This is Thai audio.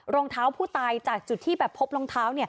รองเท้าผู้ตายจากจุดที่แบบพบรองเท้า